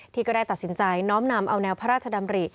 ก็ได้ตัดสินใจน้อมนำเอาแนวพระราชดำริ